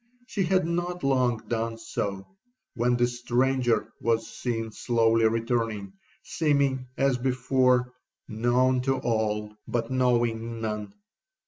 She had not long done so, when the stranger was seen slowly returning, seeming, as before, known to all, but knowing none.